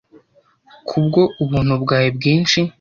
kubwo ubuntu bwawe bwinshi